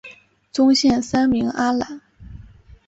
宗宪三名阿懒。